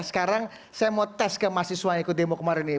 sekarang saya mau tes ke mahasiswa yang ikut demo kemarin ini